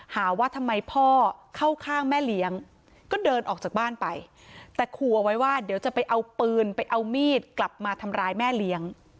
หาว่าทำไมพ่อเข้าข้างแม่เลี้ยงก็เดินออกจากบ้านไปแต่ขู่เอาไว้ว่าเดี๋ยวจะไปเอาปืนไปเอามีดกลับมาทำร้ายแม่เลี้ยง